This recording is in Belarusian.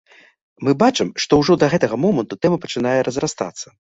Мы бачым, што ўжо да гэтага моманту тэма пачынае разрастацца.